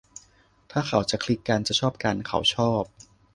ถ้าเขาจะคลิกกัน จะชอบกัน เขาชอบ